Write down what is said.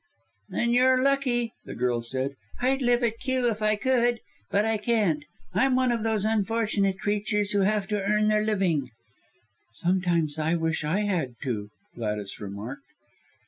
"Then you're lucky!" the girl said, "I'd live at Kew if I could. But I can't I'm one of those unfortunate creatures who have to earn their living." "I sometimes wish I had to," Gladys remarked.